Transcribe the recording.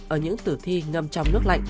ở những tử thi ngầm trong nước lạnh